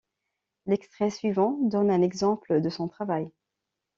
L'extrait suivant donne un exemple de son travail.